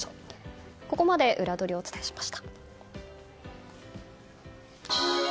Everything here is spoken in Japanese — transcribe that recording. ここまでウラどりをお伝えしました。